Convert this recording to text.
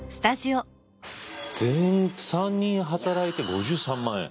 全員３人働いて５３万円。